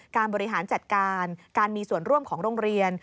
บริหารจัดการการมีส่วนร่วมของโรงเรียน